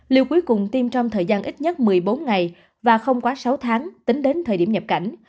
lưu cuối cùng tiêm trong thời gian ít nhất một mươi bốn ngày và không quá sáu tháng tính đến thời điểm nhập cảnh